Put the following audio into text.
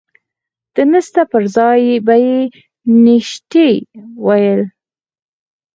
د نسته پر ځاى به يې نيشتې ويل.